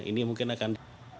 ini mungkin akan